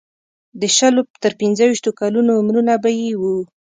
د شلو تر پنځه ویشتو کلونو عمرونه به یې وو.